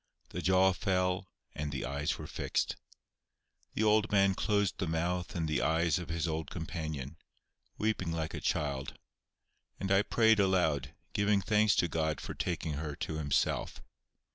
The jaw fell, and the eyes were fixed. The old man closed the mouth and the eyes of his old companion, weeping like a child, and I prayed aloud, giving thanks to God for taking her to Himself.